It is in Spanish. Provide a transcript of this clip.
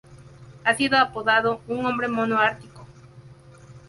Ha sido apodado "un hombre Mono Ártico".